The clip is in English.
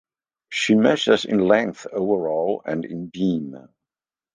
She measures in length overall and in beam.